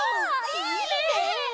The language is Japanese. いいね！